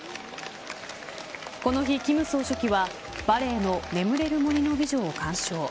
この日、金総書記はバレエの眠れる森の美女を鑑賞。